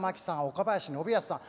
岡林信康さん